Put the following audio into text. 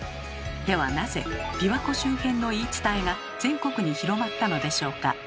ではなぜ琵琶湖周辺の言い伝えが全国に広まったのでしょうか？